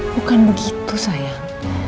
bukan begitu sayang